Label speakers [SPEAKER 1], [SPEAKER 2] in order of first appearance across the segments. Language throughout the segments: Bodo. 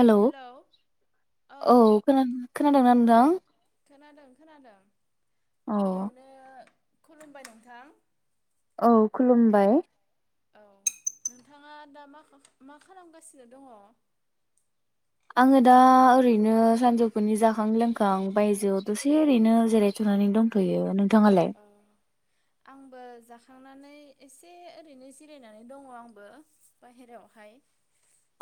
[SPEAKER 1] हेलौ औ खोना खोनादोंना नोथां
[SPEAKER 2] खोनादों खोनादों गिबिआवनो खुलुमबाय नोंथां
[SPEAKER 1] औ खुलुमबाय
[SPEAKER 2] औ नोंथाङा दा मा मा खालामगासिनो दङ
[SPEAKER 1] आङो दा ओरैनो सानजौफुनि जाखां लोंखां बायजोआव दसे ओरैनो जिरायथनानै दंथयो नों
[SPEAKER 2] आंबो जाख थांनानै एसे ओरैनो जिरायनानै दङ आंबो बाहेरायावहाय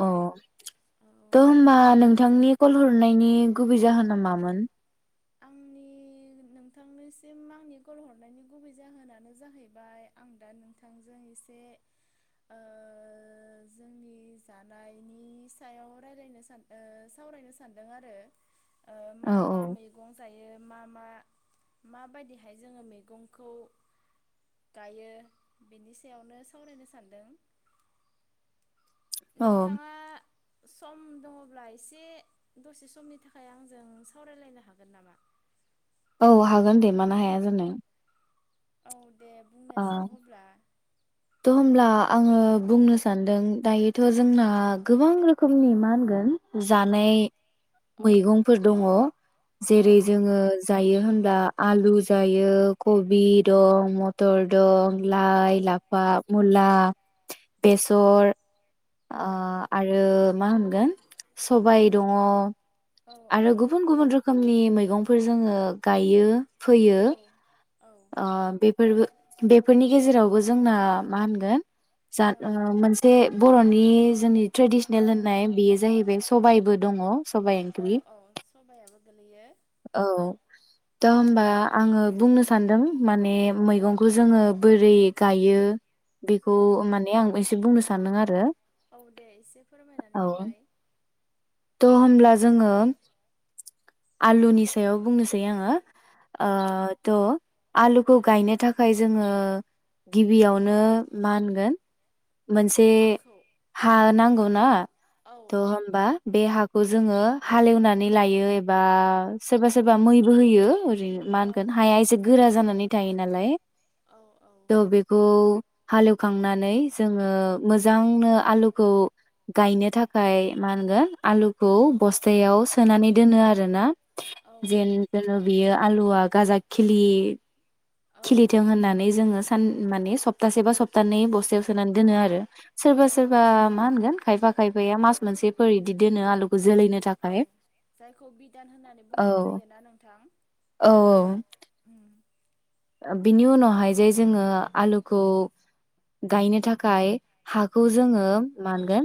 [SPEAKER 1] अम थ हमबा
[SPEAKER 2] औ
[SPEAKER 1] नोंथांनि कल हरनाय नि गुबै जाहोना मामोन
[SPEAKER 2] आंनि नोंथांनिसिम आंनि गल हरनायनि गुबै जाहोनानो जाहैबाय आं दा नोंथांजों एसे ओ जोंनि जानायनि सायाव राय्लायनो सानओ सावरायनो सानदों आरो ओ
[SPEAKER 1] औ
[SPEAKER 2] मा मा मैगं जायो मा मा माबायदिहाय जोङो मैगंखौ गायो बिनि सायावनो सावरायनो सानदों
[SPEAKER 1] औ
[SPEAKER 2] नोंथाङा। सम दङ'ब्ला एसे दसे समनि थाखाय आंजों सावरायलायनो हागोन नामा?
[SPEAKER 1] औ हागोन दे मानो हाया जानो।
[SPEAKER 2] औ। दे
[SPEAKER 1] अ
[SPEAKER 2] बुंनोसो हब्ला।
[SPEAKER 1] थ होमब्ला आङो बुंनो सानदों दायोथ' जोंना गोबां रोखोमनि मा होनगोन जानाय
[SPEAKER 2] औ
[SPEAKER 1] मैगंफोर दङ
[SPEAKER 2] औ
[SPEAKER 1] जेरै जोङो जायो होनब्ला आलु जायो कबि दं मथर दं लाय लाफ मुला बेसर। आ आरो। मा होनगोन सबाइ दङ आरो गुबुन गुबुन रोखोमनि मैगंफोर जोङो गायो। फैयो
[SPEAKER 2] औ
[SPEAKER 1] आ
[SPEAKER 2] औ
[SPEAKER 1] बेफोरबो बेफोरनि गेजेरावबो जोंना मा होनगोन? जा ओ मोनसे बर'नि जोंनि ट्रेडिसनेल होननाय बेयो जाहैबाय। सबायाइबो दङ' सबाइ
[SPEAKER 2] औ
[SPEAKER 1] ग्रि
[SPEAKER 2] औ सबायाबो गोलैयो
[SPEAKER 1] औ दा
[SPEAKER 2] औ
[SPEAKER 1] होमबा आङो बुंनो सानदों मान मे मैगंखौ जोङो बोरै। गायो बेखौ माने आं बो एसे बुंनोस सानोआरो
[SPEAKER 2] औ दे एसे फोरमायनानै होलाय
[SPEAKER 1] थ' होब्ला जोङो आलुनि सायाव बुंनोसै आङो।
[SPEAKER 2] औ
[SPEAKER 1] ओ थ' आलुखौ गायनो थाखाय जोङो गिबियावनो मा होनगोन। मोनसे हा नांगौ ना
[SPEAKER 2] औ औ
[SPEAKER 1] थ
[SPEAKER 2] औ
[SPEAKER 1] होमबा बे हाखौ जोङो हालेवनानै लायो एबा सोरबा सोरबा मैबो होयो ओरैनो मा होनगोन हाया
[SPEAKER 2] होयो
[SPEAKER 1] एसे गोरा जानानै थायो नालाय थ बेखौ हालेवखांनानै जोङो मोजांनो आलुखौ गायनो थाखाय मा होनगोन आलुखौ बस्थायाव सोनानै दोनो आरोना
[SPEAKER 2] औ
[SPEAKER 1] जेन जन बियो आलुवा गाजा खिलि खिलिथों होननानै जोङो सान माने सप्तासे बा सप्तानैै बस्थायाव सोनानै दोनो आरो सोरबा
[SPEAKER 2] औ
[SPEAKER 1] सोरबा मा होनगोन खायफा खायफाया मास मोनसे फोर दि दोनो आलुफ
[SPEAKER 2] औ जायखौ बिदान होननानै
[SPEAKER 1] औ
[SPEAKER 2] बुंनाय जायोना नोंथां।
[SPEAKER 1] औ
[SPEAKER 2] ओम
[SPEAKER 1] ओ बिनि उनावहाय जे जोङो आलुखौ गायनो थाखाय हाखौ जोङो मा होनगोन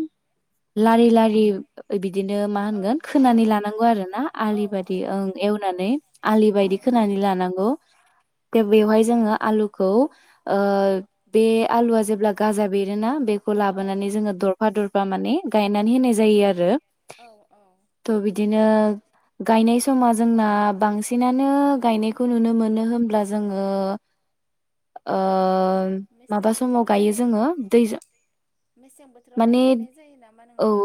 [SPEAKER 1] लारि लारि बि बिदिनो मा
[SPEAKER 2] औ
[SPEAKER 1] होनगोन खोनानै लानांगौ
[SPEAKER 2] एवग्रोनानै
[SPEAKER 1] आरो ना
[SPEAKER 2] औ
[SPEAKER 1] आलि
[SPEAKER 2] औ
[SPEAKER 1] बायदि ओं
[SPEAKER 2] औ
[SPEAKER 1] एवनानै आलि बायदि खोनानै लानांगौ। दा बेवहाय जोङो आलुखौ बे आलुआ जेब्ला गाजा बेरोना बे लाबोनानै जोङो दरफा दरफा बा माने गायनानै होनाय जायो आरो
[SPEAKER 2] औ औ
[SPEAKER 1] थ बिदिनो गायनाय समा जोंना बांसिनानो गायनायखौ नुनो मोनो होनब्ला जोङो ओ माबा
[SPEAKER 2] मेसें
[SPEAKER 1] समाव गायो
[SPEAKER 2] बोथोरावहाय
[SPEAKER 1] जोङो दै
[SPEAKER 2] मेसें बोथोरावहाय
[SPEAKER 1] माने
[SPEAKER 2] गायनाय जायो नामा
[SPEAKER 1] औ
[SPEAKER 2] नोंथां?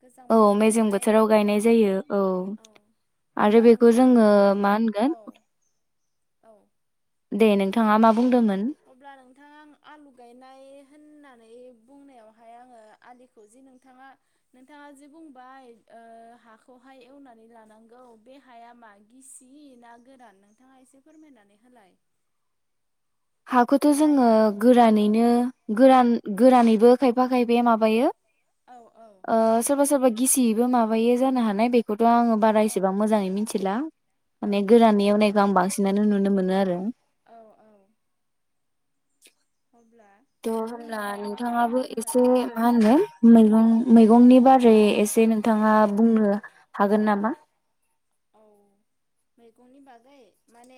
[SPEAKER 2] गोजां
[SPEAKER 1] औ मेजें
[SPEAKER 2] बोथोरावहाय
[SPEAKER 1] बोथोराव गायनाय जायो औ आरो
[SPEAKER 2] अब्ला
[SPEAKER 1] बेखौ
[SPEAKER 2] नोंथां
[SPEAKER 1] जोङो मा
[SPEAKER 2] औ
[SPEAKER 1] होनगोन
[SPEAKER 2] औ।
[SPEAKER 1] दे नोंथाङा मा बुंदोंमोन?
[SPEAKER 2] अब्ला नोंथांङा आं आलु गायनाय होनना बुंनायावहाय आङो आलिखौ जि नोंथाङा नोंथाङा जि बुंबाय हाखौहाय एवनानै लानांगौ बे हाया मा गिसि ना गोरान नोंथाङा एसे फोरमायनानै होलाय।
[SPEAKER 1] हाखौथ' जोङो
[SPEAKER 2] हाया
[SPEAKER 1] गोरानैनो
[SPEAKER 2] औ
[SPEAKER 1] गोरान गोरानैबो खायफा खायफा माबायो
[SPEAKER 2] औ
[SPEAKER 1] ओ सोरबा सोरबा गिसियैबो माबायो जानो हानाय बेखौ आङो बारा इसेबां मोजाङै मिथिला
[SPEAKER 2] औ
[SPEAKER 1] माने गोरानै एवनायखौ आं बांसिनानो नुनो मोनो। नाआरो।
[SPEAKER 2] औ औ। अब्ला
[SPEAKER 1] द
[SPEAKER 2] बेनि
[SPEAKER 1] होनब्ला
[SPEAKER 2] उनावहाय मा खालामो
[SPEAKER 1] नोंथाङाबो
[SPEAKER 2] जोङो
[SPEAKER 1] एसे मा होनो मैगं
[SPEAKER 2] औ
[SPEAKER 1] मैगंनि बारै एसे नोंथाङा बुंनो हागोन नामा?
[SPEAKER 2] औ मैगंनि बागै माने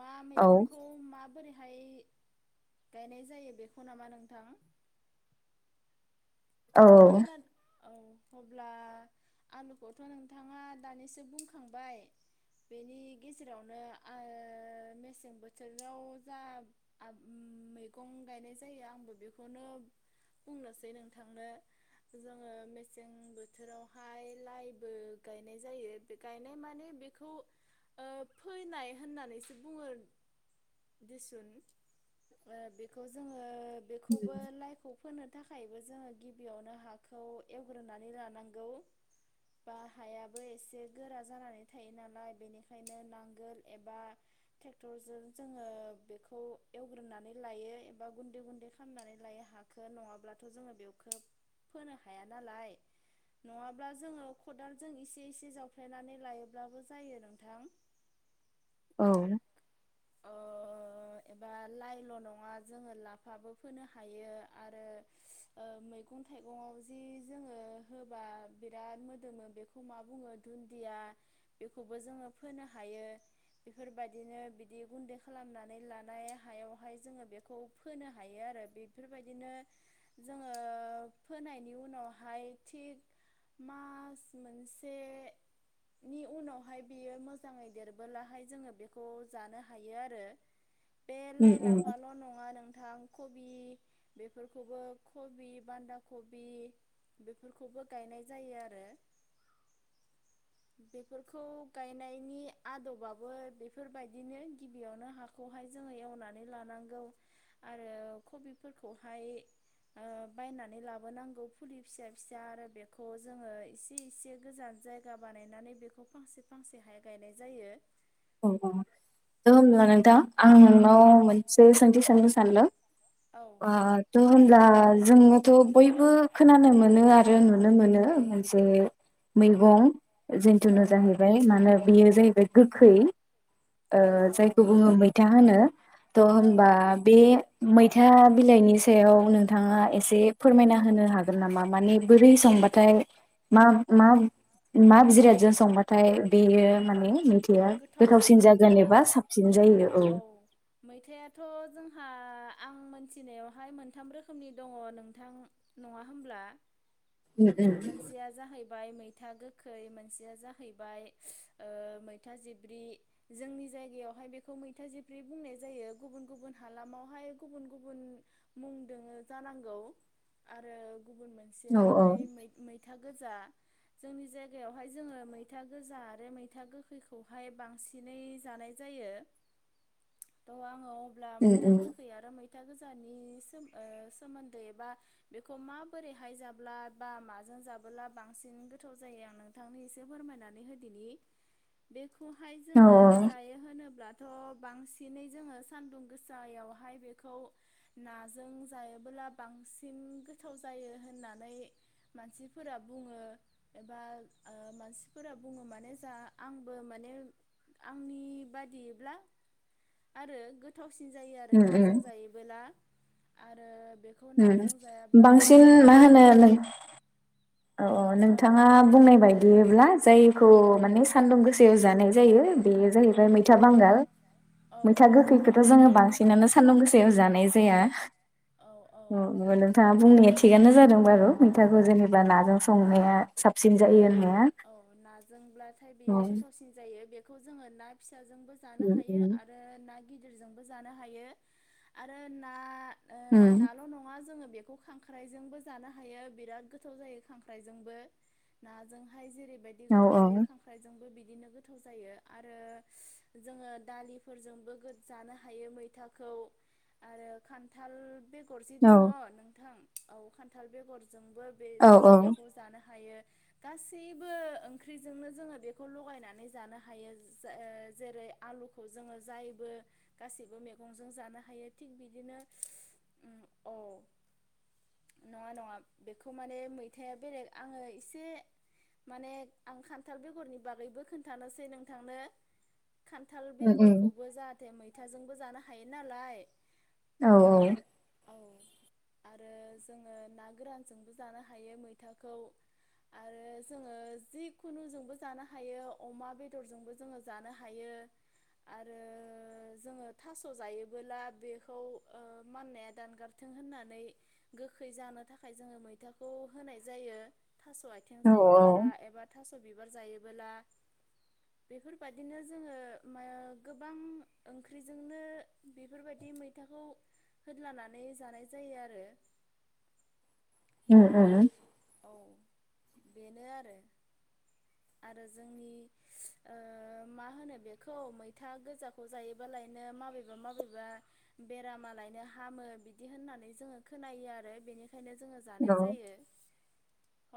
[SPEAKER 2] मा
[SPEAKER 1] औ
[SPEAKER 2] मैगंखौ माबोरै ओमफाय गायनाय जायो बेखौ नामा नोंथां?
[SPEAKER 1] औ।
[SPEAKER 2] खोना औ अब्ला आंलुखौथ' नोंथाङा दानिसो बुंखांबाय बेनि गेजेरावनो मेसें बोथोराव जा मैगं गायनाय जायो आंबो बेखौनो बुंनोसै नोंथांनो जोङो मेसें बोथोरावहाय लाइबो गायनाय जायो बे गायनाय माने बेखौ फैनाय होननानैसो बुङो दिसुन बेखौ जोङो बेखौबो लाइखौ फोनो थाखायबो जोङो गिब बेयावनो हाखौ एवग्रोनानै लानांगौ बा हायाबो एसे बेयावनो हाखौ एवग्रोनानै लानांगौ बा हायाबो एसे गोरा जानानै थायो नालाय बेनिखायनो नांगोल एबा ट्रेक्टरजों जोङो बेखौ एवग्रोनानै लायो एबा गुन्दै गुन्दै खालामनानै लायो हाखौ नङाब्लाथ' जोङो बे खोब फोनो हाया नालाय नङाब्ला जोङो खदालजों एसे इसे जावफ्लेनानै लायोब्लाबो जायो नोंथां।
[SPEAKER 1] औ
[SPEAKER 2] ओ एबा लाइल' नङा जोङो लाफाबो फोनो हायो आरो ओ एबा लाइ ल नंङा जों लाफाबो फोनो हायो आरो मैगं थाइगङाव जि जोङो होबा बिराद मोदोमो बेखौ मा बुङो दुन्दिया बेखौबो जोङो फोनो हायो बेफोरबायदिनो बे गुन्दै खालामनानै लानाय हायावहाय जोङो बेखौ बि गुन्दै खालामनानै लानाय हायाव हाय जों बेखौ फोनो हायो आरो बेफोरबायदिनो जोङो फोनायनि उनावहाय थिग मास मोनसेनि उनावहाय बेयो मोजाङै देरबोलाहाय जोङो बेखौ, जानो हायो आरो बे
[SPEAKER 1] उम
[SPEAKER 2] लाइ
[SPEAKER 1] उम
[SPEAKER 2] लाफाल' नङा नोंथां, कबि बेफोरखौबो कबि बान्दाकबि बेफोरखौबो गायनाय जायो आरो। बेफोरखौ गाइनायनि आदबाबो बेफोर बायदि बिदिनो गिबियावनो हाखौहाय जोङो एवनानै लानांगौ आरो कबिफोरखौहाय बायनानै लाबोनांगौ बिदिनो गिबिआवनो हाखौहाय जोंङो एवनानै लानांगौ आरो कबिफोरखौ हाय ओ बायनानै लाबोनांगौ फुलि फिसा फिसा आरो बेखौ जोङो एसे एसे गोजान जायगा बानायनानै बेखौ फांसे फांसेहाय गायनाय जायो।
[SPEAKER 1] ओम दां होनब्ला नोंथां आं नोंनाव जयै सोंथि सानलु
[SPEAKER 2] औ औ
[SPEAKER 1] आ थुन। ब्ला जोङोथ बयबो खोनानो मोनो आरो नुनो मोनो मोनसे मैगं
[SPEAKER 2] औ
[SPEAKER 1] जन्थु नु जाहैबाय मानो बेयो जाहैबाय गोखै ओ
[SPEAKER 2] औ औ
[SPEAKER 1] जायखौ बुङो मैथा होनो त'
[SPEAKER 2] औ
[SPEAKER 1] होमबा बे मैथा बिलाइनि सायाव नोंथाङा एसे फोरमायना होनो हागोन नामा? माने बोरै संबाथाय मा मा मा जिरादजों संबाथाय बेयो माने यिया
[SPEAKER 2] सिन जायो औ मैथाया थ' जोंहा आं मोनथिनायावहाय मोनथाम रोखोमनि दङ नोंथां नङा होमब्ला मोनसेया जाहै मैथा गोखै मोनसेया जाहैबाय ओ मैथा जिब्रि जोंनि जायगायावहाय बेखौ मैथा जिब्रि बुंनाय जायो गुबुन गुबुन हालामावहाय गुबुन गुबुन मुंदङो जानांगौ आरो गुबुन
[SPEAKER 1] औ
[SPEAKER 2] मोनसेयाहायै मैथा गोजा जोंनि जायगायावहाय जोङो मैथा गोजा आरो मैथा गोखैख खौहाय बांसिनै जानाय जायो थ आङो। अब्ला मैथा गोखै आरो मैथा मैथा गोजानि सोमोन्दै एबा बेखौ माबोरैहाय जाब्ला बा माजों जाबोला बांसिन गोथाव जायो आं नोंथांनि एसे फोरमायनानै होदिनि। बे खौहाय जोङो
[SPEAKER 1] औ
[SPEAKER 2] जायो होनोब्ला थ बांसिनै जोङो सानदुं गोसायावहाय बेखौ नाजों जायोबोला बांसिन गोथाव जायो होननानै मानसिफोरा बुङो एबा ओ मानसिफोरा बुङो माने जा आंबो माने आंनि बायैदिब्ला आरो गोथाव [unintelligible] जायो आरो
[SPEAKER 1] उम उम
[SPEAKER 2] नाजों जायोबोला आरो बेखौ नाजों
[SPEAKER 1] उम
[SPEAKER 2] जायाब्लाबो
[SPEAKER 1] बांसिन
[SPEAKER 2] जोङो
[SPEAKER 1] मा होनो औ औ नोंथाङा बुंनाय बायदियैब्ला। जायखौ
[SPEAKER 2] औ
[SPEAKER 1] माने सानदुं गोसायाव जानाय जायो बेयो जाहैबाय मैथा बांगाल।
[SPEAKER 2] औ
[SPEAKER 1] मैथा गोखैखौथ जोङो बांसिनानो सान्दुं गोसायाव जानाय जाया
[SPEAKER 2] औ
[SPEAKER 1] औ नोंथाङा बुंनाया थिगानो जादों बारु मैथाखौ जेनेबा नाजों संनाया। साबसिन
[SPEAKER 2] औ
[SPEAKER 1] जायो होननाया
[SPEAKER 2] औ नाजोंब्लाथाय
[SPEAKER 1] औ
[SPEAKER 2] बेयो गोथावसिन जायो बे खौ जोङो ना फिसि फिसाजोंबो जानो
[SPEAKER 1] उम
[SPEAKER 2] हायो
[SPEAKER 1] उम
[SPEAKER 2] आरो ना गिदिरजोंबो जानो हायो आरो ना। ओ
[SPEAKER 1] उम
[SPEAKER 2] नाल नङा जोङो बेखौ खांख्राइजोंबो जानो हायो बिराद गोथाव जायो खांख्राइजोंबो नाजोंहाय जेरै बायदि
[SPEAKER 1] औ
[SPEAKER 2] गोथाव जायो
[SPEAKER 1] औ
[SPEAKER 2] खांख्राइजोंबो बिदि बिदिनो गोथाव जायो आरो जोङो दालिफोरजोंबो जानो हायो मैथाखौ आरो खान्थाल बे गरसे दङ
[SPEAKER 1] औ
[SPEAKER 2] नोंथां औ खान्थाल बेगर जोंबो बे
[SPEAKER 1] औ औ
[SPEAKER 2] जोङो बेखौ जानो हायो गासैबो ओंख्रिजोंनो जोङो बेखौ लगायनानै जानो हायो जेरै आलुखौ जोङो जायबो गासैबो मैगंजों जानो हायो थिग बिदिनो औ नङा नङा बेखौ माने मैथाया बेलेग आङो एसे। माने आं खान्थाल बेगरनि बागैबो खोनन्थानोसै नोंथांनो खान्थाल
[SPEAKER 1] उम उम
[SPEAKER 2] बेगरखौबो जाहाथे मै मैथाजोंबो जानो हायो नालाय।
[SPEAKER 1] औ औ
[SPEAKER 2] औ आरो जोङो ना गोरानजोंबो जानो हायो मैथाखौ आरो जोङो जिखुनुजोंबो जानो हायो अमा बेदरजोंबो जोङो जानो हायो आरो जोङो थास जायोबोला बेखौ माननाया दानगारथों होननानै गोखै जानो थाखाय जोङो मैथाखौ होनाय जायो थासआ आथिं
[SPEAKER 1] औ
[SPEAKER 2] जायोबोला एबा थास बिबार जायोबोला बेफोरबाददिनो जोङो गोबां ओंख्रिजोंनो बेफोरबायदि मैथाखौ होलानानै जानाय जायो आरो।
[SPEAKER 1] उम उम उम।
[SPEAKER 2] औ बेनो आरो आरो जोंनि ओ मा होनो बेखौ मैथा गोजाखौ जायोबालायनो माबेबा माबेबा बेरामालायनो हामो बिदि होननानै जोङो खोनायो। आरो बेनिखायनो जोंङो जानाय
[SPEAKER 1] औ
[SPEAKER 2] जायो।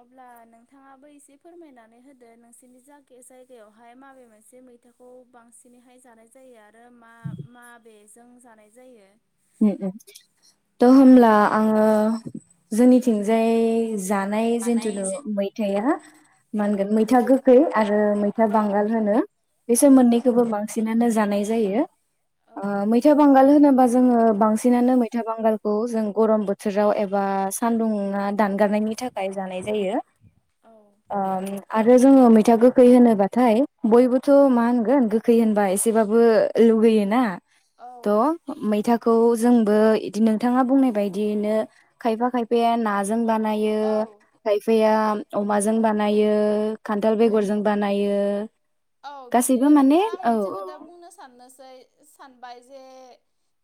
[SPEAKER 2] अब्ला नोंथाङाबो एसे फोरमायनानै होदो नोंसोरनि जायगायावहाय माबे मोनसे मैथाखौ बांसिनैहाय जानाय जायो आरो मा माबेजों जानाय जायो।
[SPEAKER 1] उम उम, दा होमब्ला आंङो जोंनिथिंजाय जानाय जेन्थुनु मैथाया मा
[SPEAKER 2] औ
[SPEAKER 1] होनगोन मैथा गोखै ओ मैथा बांगाल होनो। बेसोर मोननैखौबो
[SPEAKER 2] औ
[SPEAKER 1] बांसिनानो जानाय जायो ओ मैथा बांगाल होनोब्ला जोंङो बांसिनानो मैथा बांगालखौ जों गरम बोथोराव एबा सानदुङा दानगारनायनि थाखाय जानाय जायो।
[SPEAKER 2] औ
[SPEAKER 1] ओ आरो जोङो मैथा गोखै होनोबाथाय बयबोथ मा होनगोन गोखै होनबा एसेबाबो लुगैयो ना।
[SPEAKER 2] औ।
[SPEAKER 1] मैथाखौ जोंबो नोंथाङा बुंनाय बायदिनो खायफा खायफाया नाजों बा नायो
[SPEAKER 2] औ
[SPEAKER 1] खायफाया अमाजों बानायो, खान्थाल बेगरजों बानायो
[SPEAKER 2] औ
[SPEAKER 1] गासैबो
[SPEAKER 2] बिदिनो
[SPEAKER 1] माने
[SPEAKER 2] नोंथाङा आं
[SPEAKER 1] औ
[SPEAKER 2] मोनसे खोथा बुंनो साननोसै सानबाय जे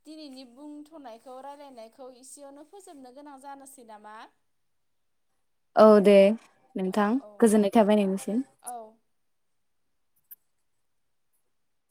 [SPEAKER 2] दिनैनि बुंथनायखौ रायलायनायखौ इसेयावनो फोजोबनो गोनां जानोसै नामा।
[SPEAKER 1] औ दे
[SPEAKER 2] औ
[SPEAKER 1] नोंथां
[SPEAKER 2] औ
[SPEAKER 1] गोजोननाय थाबाय नोंनिसिम।
[SPEAKER 2] औ